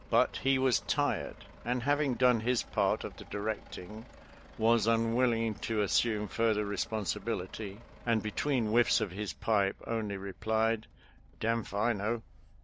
''" But he was tired, and, having done his part of the directing, was unwilling to as sume further responsibility, and between whiffs of his pipe only replied, " Damfiknow."